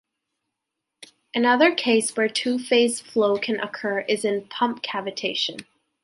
Another case where two-phase flow can occur is in pump cavitation.